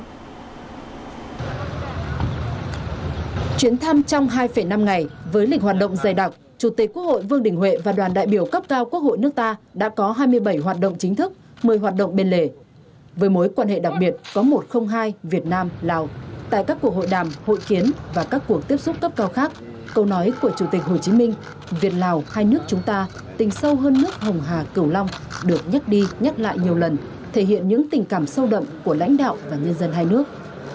tại chuyến thăm chính thức này chủ tịch quốc hội vương đình huệ và lãnh đạo cấp cao của lào đều khẳng định trước những diễn biến phức tạp hiện nay trong tình hình quốc tế và khu vực hai bên càng thấy rõ giá trị của hai nước